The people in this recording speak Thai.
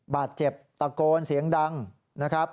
บาดเจ็บตะโกนเสียงดังนะครับ